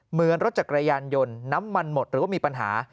เหมือนรถจักรยานยนต์น้ำมันหมดหรือว่ามีปัญหา